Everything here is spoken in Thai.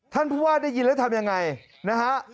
ท่านผู้ว่าได้ยินแล้วทำยังไงนะฮะ